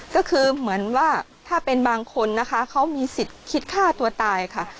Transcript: ก็คือเหมือนว่าถ้าเป็นบางคนนะคะเขามีสิทธิ์คิดฆ่าตัวตายค่ะ